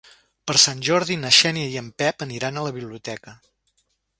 Per Sant Jordi na Xènia i en Pep aniran a la biblioteca.